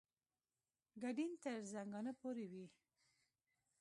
ګډین تر زنګانه پورې وي.